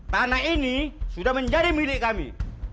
tanah ini sudah menjadi milik kami